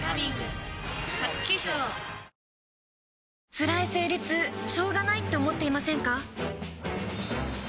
つらい生理痛しょうがないって思っていませんか？